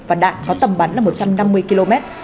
và đạn có tầm bắn là một trăm năm mươi km